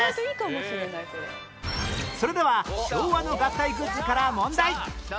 それでは昭和の合体クイズから問題